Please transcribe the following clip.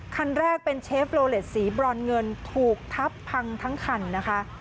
คันแรกเป็นเชฟโลเลสสีบรอนเงินถูกทับพังทั้งคันนะคะ